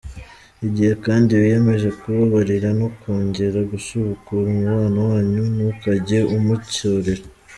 Igihe kandi wiyemeje kubabarira no kongera gusubukura umubano wanyu ntukajye umucyurira.